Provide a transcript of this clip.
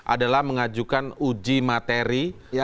adalah mengajukan uji materi